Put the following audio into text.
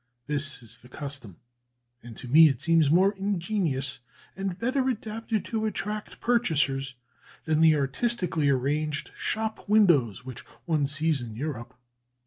This is the custom; and to me it seems more ingenious and better adapted to attract purchasers, than the artistically arranged shop windows which one sees in Europe.